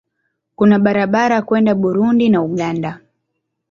Kuna barabara kwenda Burundi na Uganda.